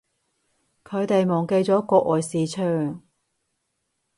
佢哋忘記咗國外市場